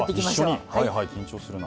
緊張するな。